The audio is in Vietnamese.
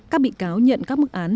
các bị cáo nhận các mức án